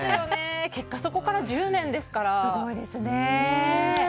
結果そこから１０年ですから。